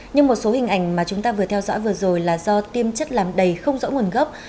nhưng một số hình ảnh mà chúng ta vừa theo dõi vừa rồi là do tiêm chất làm đầy không rõ nguồn gốc